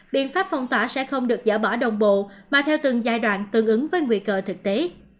biện pháp phong tỏa sẽ không được dỡ bỏ đồng bộ mà theo từng giai đoạn tương ứng với nguy cơ thực tế